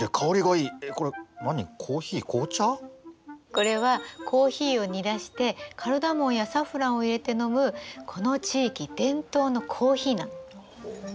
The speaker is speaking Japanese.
これはコーヒーを煮出してカルダモンやサフランを入れて飲むこの地域伝統のコーヒーなの。